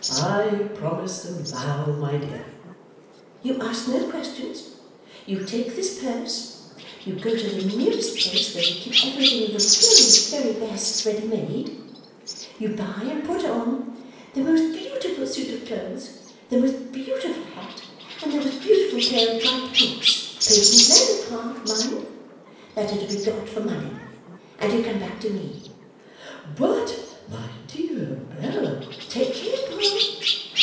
'I promise and vow, my dear.' 'You ask no questions. You take this purse; you go to the nearest place where they keep everything of the very very best, ready made; you buy and put on, the most beautiful suit of clothes, the most beautiful hat, and the most beautiful pair of bright boots (patent leather, Pa, mind!) that are to be got for money; and you come back to me.' 'But, my dear Bella ' 'Take care, Pa!